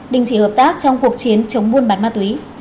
đình chỉ hợp tác trong cuộc chiến chống buôn bán ma túy